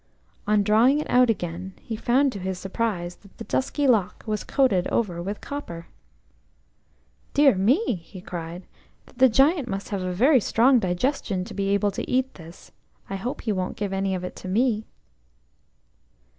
On drawing it out again, he found to his surprise that the dusky lock was coated over with copper. "Dear me!" he cried, "the Giant must have a very strong digestion to be able to eat this. I hope he won't give any of it to me."